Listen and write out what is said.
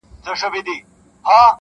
حقيقت د وخت قرباني کيږي تل,